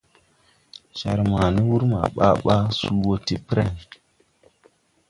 Jar ma ni wur ma baa baa suu wɔ ti preŋ.